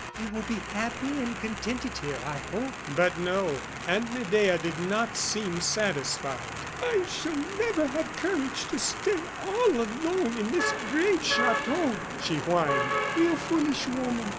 You will be happy and contented here, I hope." But no; Aunt Medea did not seem satisfied. "I shall never have courage to stay all alone in this great chateau," she whined. "You foolish woman!